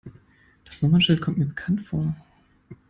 Das Nummernschild kommt mir bekannt vor.